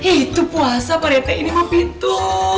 itu puasa perempuan ini mau pintu